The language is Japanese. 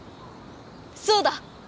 そうだ！